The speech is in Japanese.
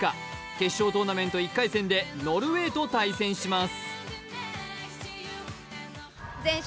決勝トーナメント１回戦でノルウェーと対戦します。